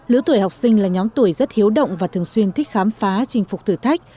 lứa tuổi học sinh là nhóm tuổi rất hiếu động và thường xuyên thích khám phá chinh phục thử thách